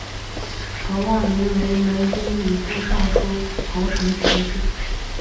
陶望龄为南京礼部尚书陶承学之子。